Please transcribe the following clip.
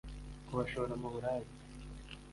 kubashora mu buraya